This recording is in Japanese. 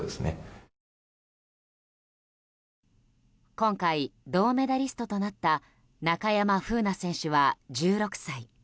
今回、銅メダリストとなった中山楓奈選手は１６歳。